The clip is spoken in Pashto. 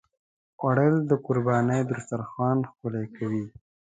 خوړل د قربانۍ دسترخوان ښکلوي